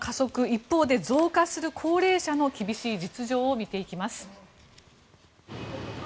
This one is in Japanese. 一方で増加する高齢者の厳しい実情を見ていきます。